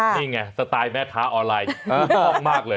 นี่ไงสไตล์แม่ค้าออนไลน์ฮ่องมากเลย